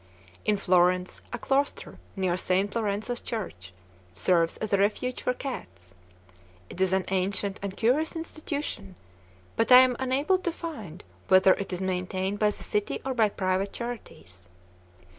In Florence, a cloister near St. Lorenzo's Church serves as a refuge for cats. It is an ancient and curious institution, but I am unable to find whether it is maintained by the city or by private charities.